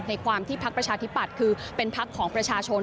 ความที่พักประชาธิปัตย์คือเป็นพักของประชาชน